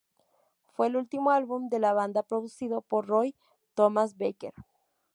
Fue el último álbum de la banda producido por Roy Thomas Baker.